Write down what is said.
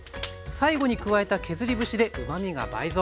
最後に加えた削り節でうまみが倍増。